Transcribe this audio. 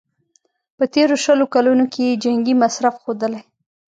په تېرو شلو کلونو کې یې جنګي مصرف ښودلی.